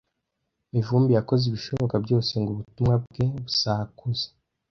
Mivumbi yakoze ibishoboka byose ngo ubutumwa bwe busakuze.